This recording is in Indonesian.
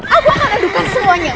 aku akan adukan semuanya